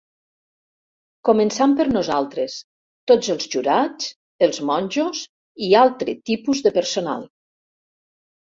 Començant per nosaltres, tots els jurats, els monjos i altre tipus de personal.